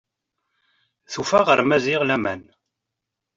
Tufa ɣer Maziɣ laman.